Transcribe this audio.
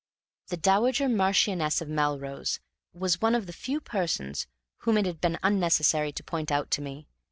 The Dowager Marchioness of Melrose was one of the few persons whom it had been unnecessary to point out to me.